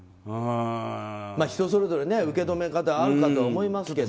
人それぞれ受け止め方はあるかと思いますけど。